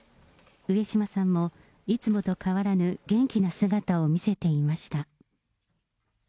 上島さんもいつもと変わらぬ元気な姿を見せていました。